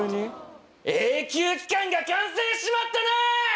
永久機関が完成しちまったなあー！